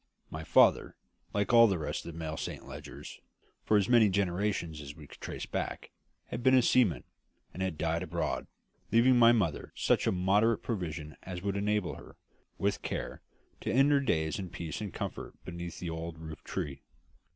My father, like all the rest of the male Saint Legers, for as many generations as we could trace back, had been a seaman, and had died abroad, leaving my mother such a moderate provision as would enable her, with care, to end her days in peace and comfort beneath the old roof tree.